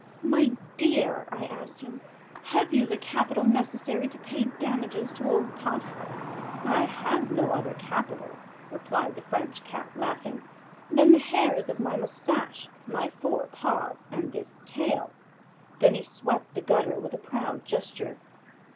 "My dear," I asked him, "have you the capital necessary to pay damages to old Puff?" "I have no other capital," replied the French Cat, laughing, "than the hairs of my moustache, my four paws, and this tail." Then he swept the gutter with a proud gesture.